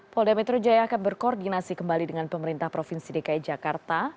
polda metro jaya akan berkoordinasi kembali dengan pemerintah provinsi dki jakarta